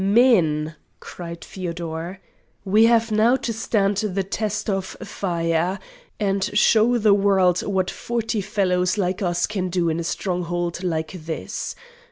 "Men!" cried Feodor, "we have now to stand the test of fire, and show the world what forty fellows like us can do in a stronghold like this.